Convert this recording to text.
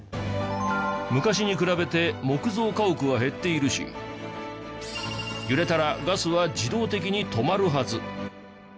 昔に比べて木造家屋は減っているし揺れたらガスは自動的に止まるはず。